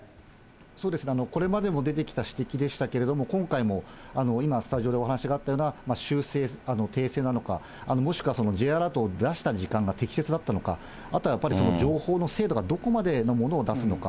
そうですね、これまでも出てきた指摘でしたけれども、今回も今、スタジオでお話があったような修正、訂正なのか、もしくはＪアラートを出した時間が適切だったのか、あとはやっぱり情報の精度が、どこまでのものを出すのか。